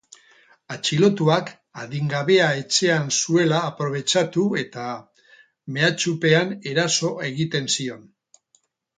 Atxilotuak adingabea etxean zuela aprobetxatu eta, mehatxupean, eraso egiten zion.